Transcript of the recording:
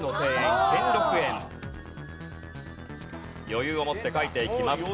余裕を持って書いていきます。